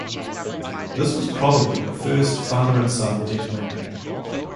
This was probably the first father-and-son deck landing.